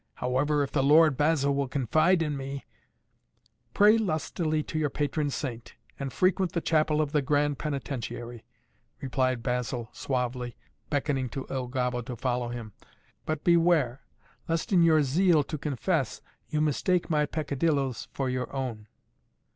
"However if the lord Basil will confide in me " "Pray lustily to your patron saint and frequent the chapel of the Grand Penitentiary," replied Basil suavely, beckoning to Il Gobbo to follow him. "But beware, lest in your zeal to confess you mistake my peccadillos for your own."